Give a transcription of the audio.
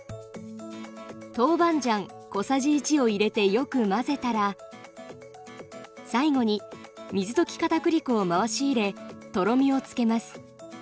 豆板醤小さじ１を入れてよく混ぜたら最後に水溶きかたくり粉を回し入れとろみをつけます。